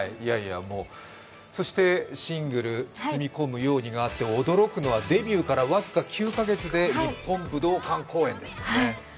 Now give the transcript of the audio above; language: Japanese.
そしてシングル「つつみ込むように」があって、驚くのは、デビューから僅か９か月で日本武道館公演ですね。